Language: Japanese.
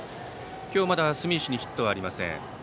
今日まだ住石にヒットはありません。